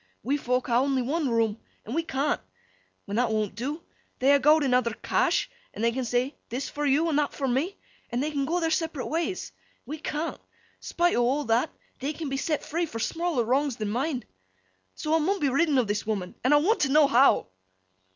We fok ha' only one room, and we can't. When that won't do, they ha' gowd an' other cash, an' they can say "This for yo' an' that for me," an' they can go their separate ways. We can't. Spite o' all that, they can be set free for smaller wrongs than mine. So, I mun be ridden o' this woman, and I want t' know how?